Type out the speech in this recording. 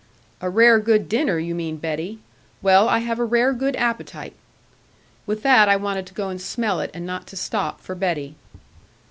'A rare good dinner, you mean, Betty. Well, and I have a rare good appetite.' With that I wanted to go and smell it, and not to stop for Betty.